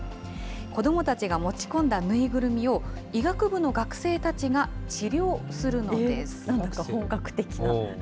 子どもたちが持ち込んだぬいぐるみを、医学部の学生たちが治療すなんだか本格的な。